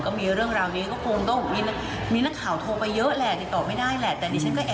ก็มีเครียดโควิดเครียดบ้างค่ะ